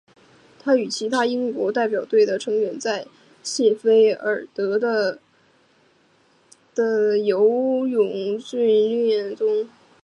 他与其他英国代表队的成员在谢菲尔德的的游泳综合设施接受训练。